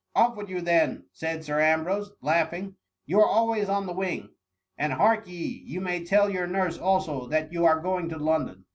""*^ Off with you, then," said Sir Ambrose, laughing, " you are always on the wing ; and harkye, you may tell your nurse also^ that you are going to London.